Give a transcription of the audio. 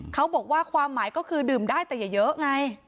เขาบอกว่าความหมายก็คือดื่มได้แต่อย่าเยอะไง